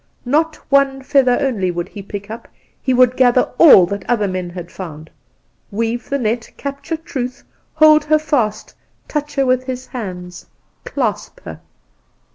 Not one feather only would he pick up; he would gather all that other men had found weave the net capture Truth hold her fast touch her with his hands clasp her!